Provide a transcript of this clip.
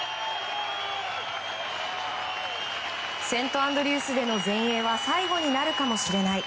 セントアンドリュースでの全英は最後になるかもしれない。